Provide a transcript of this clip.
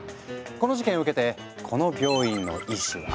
この事件を受けてこの病院の医師は。